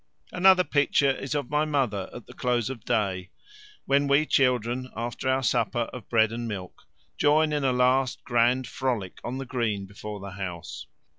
Another picture is of my mother at the close of the day, when we children, after our supper of bread and milk, join in a last grand frolic on the green before the house.